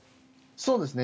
そうですね。